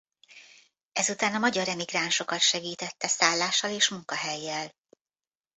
Ezután a magyar emigránsokat segítette szállással és munkahellyel.